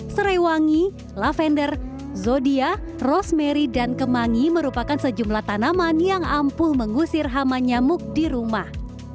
seraiwangi lavender zodia rosemary dan kemangi merupakan sejumlah tanaman yang ampuh mengusir hama nyamuk di rumah